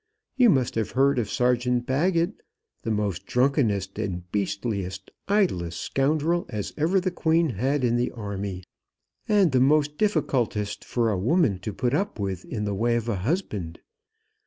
You must have heard of Sergeant Baggett; the most drunkenest, beastliest, idlest scoundrel as ever the Queen had in the army, and the most difficultest for a woman to put up with in the way of a husband!